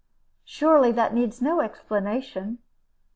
"Surely that needs no explanation."